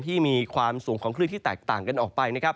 ที่มีความสูงของคลื่นที่แตกต่างกันออกไปนะครับ